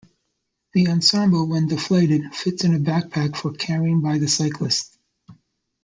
The ensemble, when deflated, fits in a backpack for carrying by the cyclist.